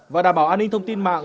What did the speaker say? và đảm bảo an ninh thông tin mạng